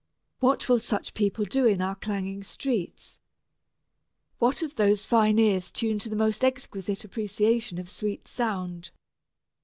What will such people do in our clanging streets? What of those fine ears tuned to the most exquisite appreciation of sweet sound?